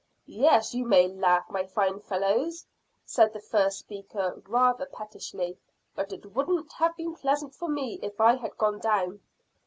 "Yes, you may laugh, my fine fellows," said the first speaker rather pettishly, "but it wouldn't have been pleasant for me if I had gone down."